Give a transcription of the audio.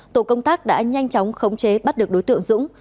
tổ công tác đã nhanh chóng khống chế bắt được đối tượng dũng